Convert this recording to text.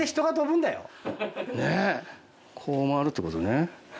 ねぇこう回るってことね。